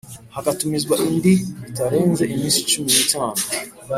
hagatumizwa indi bitarenze iminsi cumi n itanu